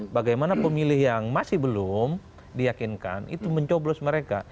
bagaimana pemilih yang masih belum diyakinkan itu mencoblos mereka